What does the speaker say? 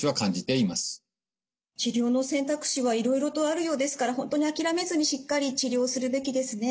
治療の選択肢はいろいろとあるようですから本当に諦めずにしっかり治療をするべきですね。